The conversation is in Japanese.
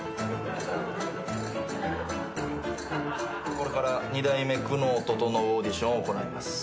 これから２代目久能整オーディションを行います。